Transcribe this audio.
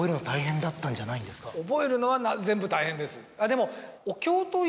覚えるのは全部大変ですでも。